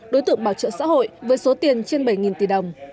đối tượng bảo trợ xã hội với số tiền trên bảy tỷ đồng